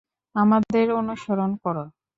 আমাদের অনুসরণ করো।